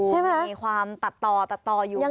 ใช่ไหมครับมีความตัดต่อตัดต่ออยู่บ้าง